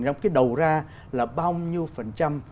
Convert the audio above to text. cái đầu ra là bao nhiêu phần trăm